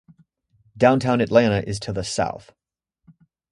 Downtown Atlanta is to the south.